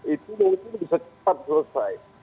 itu mungkin bisa cepat selesai